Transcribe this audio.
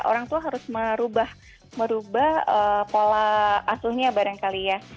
orang tua harus merubah pola asuhnya barangkali ya